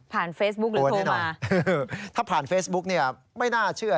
ผ่านเฟซบุ๊กหรือโทรมาโดนได้หน่อยถ้าผ่านเฟซบุ๊กไม่น่าเชื่อ